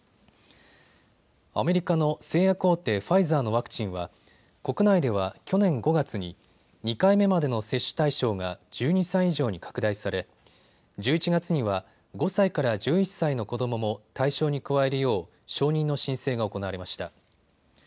アメリカの製薬大手、ファイザーのワクチンは国内では去年５月に２回目までの接種対象が１２歳以上に拡大され、１１月には５歳から１１歳の子どもも対象に加えるよう承認の申請が行われました。